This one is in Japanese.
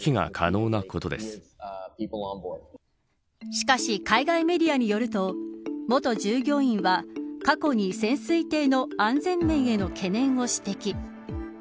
しかし、海外メディアによると元従業員は過去に潜水艇の安全面への懸念を指摘。